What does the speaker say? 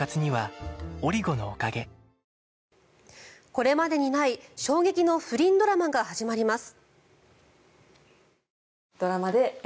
これまでにない衝撃の不倫ドラマが始まります。